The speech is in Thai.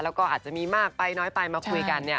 แล้วก็อาจจะมีมากไปน้อยไปมาคุยกันเนี่ย